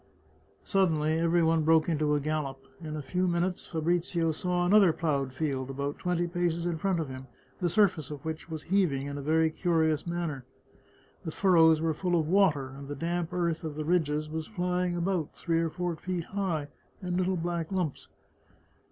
Suddenly every one broke into a gallop. In a few min utes Fabrizio saw another ploughed field, about twenty paces in front of him, the surface of which was heaving in a very curious manner. The furrows were full of water, and the damp earth of the ridges was flying about, three or four feet high, in little black lumps.